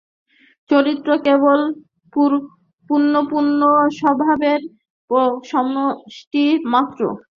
চরিত্র কেবল পুনঃপুন অভ্যাসের সমষ্টিমাত্র।